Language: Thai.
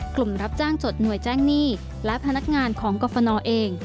รับจ้างจดหน่วยแจ้งหนี้และพนักงานของกรฟนเอง